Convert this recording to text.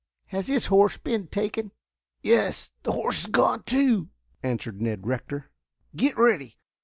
"Has his horse been taken?" "Yes, the horse is gone too," answered Ned Rector. "Get ready!